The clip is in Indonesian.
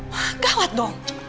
wah gawat dong